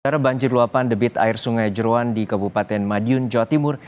terbanjir luapan debit air sungai jeruan di kabupaten madiun jawa timur